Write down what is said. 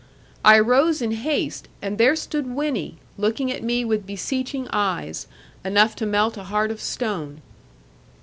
I arose in haste, and there stood Winnie, looking at me with beseeching eyes, enough to melt a heart of stone.